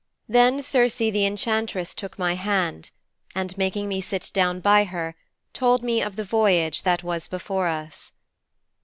Then Circe the Enchantress took my hand, and, making me sit down by her, told me of the voyage that was before us.'